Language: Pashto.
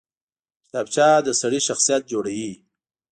کتابچه له سړي شخصیت جوړوي